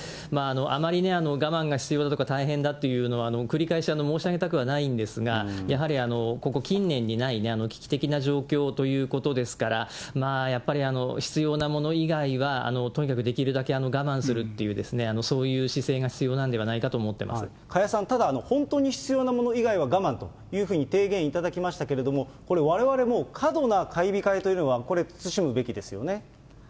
あまりね、我慢が必要だとか、大変だっていうのは繰り返し申し上げたくはないんですが、やはりここ近年にない危機的な状況ということですから、やっぱり必要なもの以外は、とにかくできるだけ我慢するっていう、そういう姿勢が必要なんで加谷さん、ただ本当に必要なもの以外は我慢というふうに提言いただきましたけれども、これ、われわれも過度な買い控えというのはこれ、慎むべきですよね。